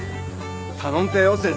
頼んてよ先生。